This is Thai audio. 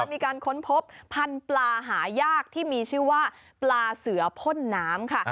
มีการค้นพบพันธุ์ปลาหายากที่มีชื่อว่าปลาเสือพ่นน้ำค่ะ